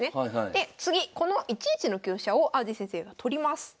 で次この１一の香車を淡路先生が取ります。